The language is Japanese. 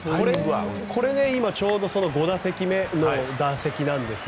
これ、ちょうど５打席目の打席なんです。